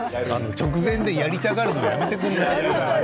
直前でやりたがるのやめてくれない？